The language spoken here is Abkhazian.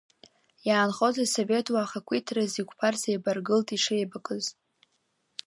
Иаанхаз асовет уаа ахақәиҭразы иқәԥарц еибаргылт ишеибакыз.